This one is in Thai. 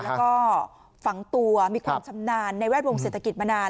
แล้วก็ฝังตัวมีความชำนาญในแวดวงเศรษฐกิจมานาน